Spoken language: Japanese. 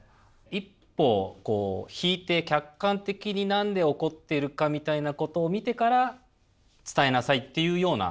一歩こう引いて客観的に何で怒っているかみたいなことを見てから伝えなさいっていうような。